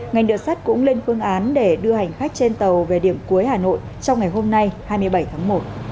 ngành đường sắt cũng lên phương án để đưa hành khách trên tàu về điểm cuối hà nội trong ngày hôm nay hai mươi bảy tháng một